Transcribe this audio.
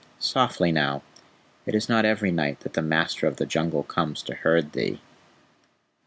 Softly now. It is not every night that the Master of the Jungle comes to herd thee."